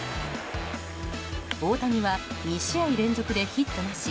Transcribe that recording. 大谷は２試合連続でヒットなし。